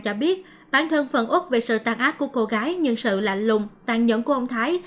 cho biết bản thân phận út về sự tàn ác của cô gái nhưng sự lạnh lùng tàn nhẫn của ông thái